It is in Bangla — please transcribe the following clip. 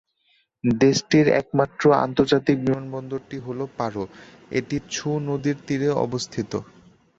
দেশটির একমাত্র আন্তর্জাতিক বিমানবন্দরটি হল পারো, এটি ছু নদীর তীরে অবস্থিত।